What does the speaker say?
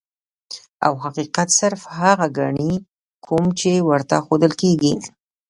او حقيقت صرف هغه ګڼي کوم چي ورته ښودل کيږي.